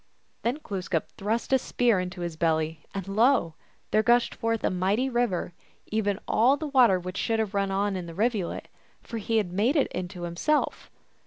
Then Glooskap thrust a spear into his belly, and lo ! there gushed forth a mighty river ; even all the water which should have run on while in the rivulet, for he had made it into himself.